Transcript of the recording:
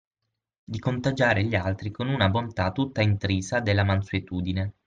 Di contagiare gli altri con una bontà tutta intrisa della mansuetudine.